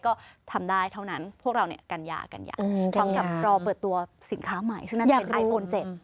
ก็ทำได้เท่านั้นพวกเราเนี่ยกัญญากัญญารอเปิดตัวสินค้าใหม่